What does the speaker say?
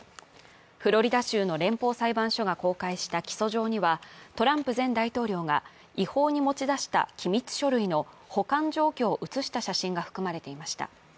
フロリダ州の連邦裁判所が公開した起訴状には、トランプ前大統領が違法に持ち出した機密書類の保管状況を写した写真が含まれていました。